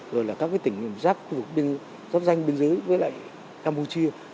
rồi là các tỉnh giáp danh biên giới với lại campuchia